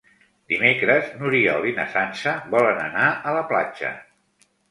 Dimecres n'Oriol i na Sança volen anar a la platja.